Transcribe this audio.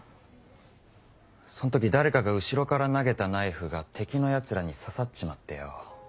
そん時誰かが後ろから投げたナイフが敵のヤツらに刺さっちまってよ。